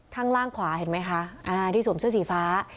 ข้างล่างขวาเห็นไหมคะที่สวมเสื้อสีฟ้า